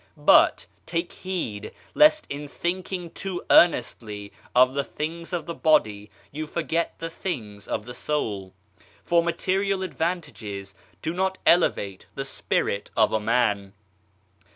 But, take heed, lest in thinking too earnestly of the things of the body you forget the things of the soul : for material advantages do not elevate the Spirit of a man.